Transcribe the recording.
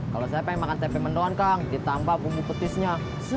kalau saya pengen makan tempe mendoan kang ditambah bumbu petisnya